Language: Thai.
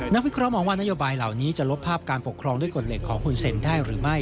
วิเคราะห์มองว่านโยบายเหล่านี้จะลบภาพการปกครองด้วยกฎเหล็กของคุณเซ็นได้หรือไม่